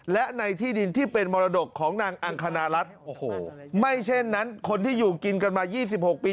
และในที่ดินที่เป็นมรดกของนางอังคณรัฐโอ้โหไม่เช่นนั้นคนที่อยู่กินกันมา๒๖ปี